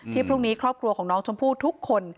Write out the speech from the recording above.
พรุ่งนี้ครอบครัวของน้องชมพู่ทุกคน